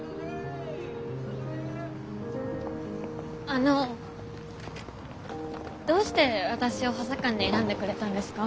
あのどうして私を補佐官に選んでくれたんですか？